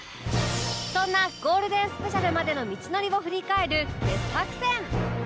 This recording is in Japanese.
そんなゴールデンスペシャルまでの道のりを振り返る傑作選